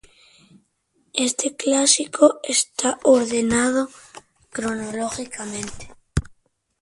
Este Clásico está ordenado cronológicamente.